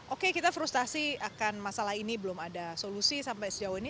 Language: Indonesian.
oke kita frustasi akan masalah ini belum ada solusi sampai sejauh ini